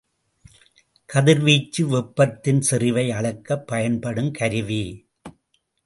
கதிர்வீச்சு வெப்பத்தின் செறிவை அளக்கப் பயன்படுங் கருவி.